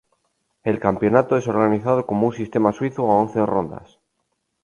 El campeonato es organizado como un Sistema suizo a once rondas.